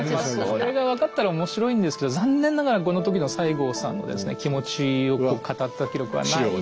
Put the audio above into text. それが分かったら面白いんですけど残念ながらこの時の西郷さんの気持ちを語った記録はないんですね。